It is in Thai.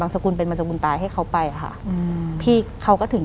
หลังจากนั้นเราไม่ได้คุยกันนะคะเดินเข้าบ้านอืม